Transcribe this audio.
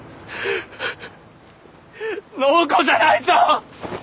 暢子じゃないと！